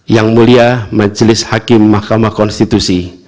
yang mulia majelis hakim mahkamah konstitusi